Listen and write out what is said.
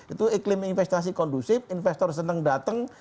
itu iklim investasi kondusif investor senang datang